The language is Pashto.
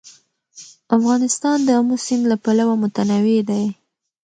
افغانستان د آمو سیند له پلوه متنوع دی.